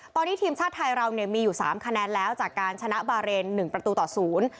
ตอนนี้ทีมชาติไทยเรามีอยู่๓คะแนนแล้วจากการชนะบาเรน๑ประตูต่อศูนย์